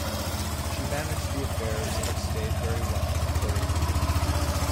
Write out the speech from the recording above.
She managed the affairs of state very well, according to critics.